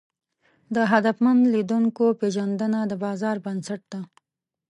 د هدفمن لیدونکو پېژندنه د بازار بنسټ ده.